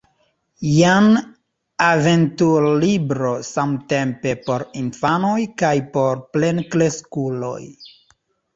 Jen aventur-libro samtempe por infanoj kaj por plenkreskuloj.